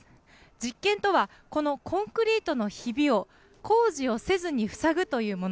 実験とは、このコンクリートのひびを、工事をせずに塞ぐというもの。